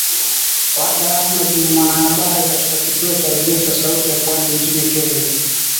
Warda Ahmed ni mwanahabari katika kituo cha redio cha Sauti ya Pwani nchini Kenya